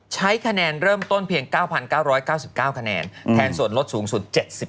ใช้คะแนนเริ่มต้นเพียง๙๙๙๙คะแนนแทนส่วนลดสูงสุด๗๕